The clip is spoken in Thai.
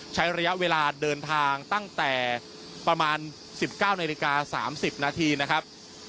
ใช้ระยะเวลาเดินทางตั้งแต่ประมาณ๑๙นาฬิกา๓๐นาทีนะครับ